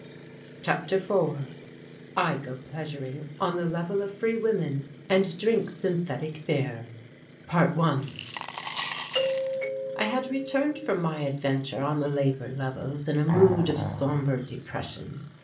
CHAPTER IV I GO PLEASURING ON THE LEVEL OF FREE WOMEN AND DRINK SYNTHETIC BEER ~1~ I had returned from my adventure on the labour levels in a mood of sombre depression.